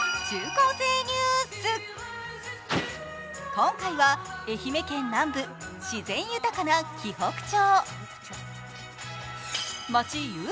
今回は愛媛県南部、自然豊かな鬼北町。